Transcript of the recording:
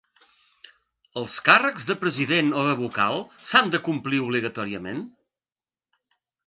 Els càrrecs de president o de vocal s’han de complir obligatòriament?